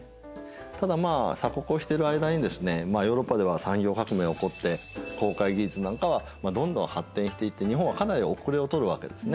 ただまあ鎖国をしている間にですねヨーロッパでは産業革命起こって航海技術なんかはどんどん発展していって日本はかなり遅れをとるわけですね。